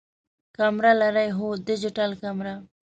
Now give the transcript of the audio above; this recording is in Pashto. کمره لرئ؟ هو، ډیجیټل کمره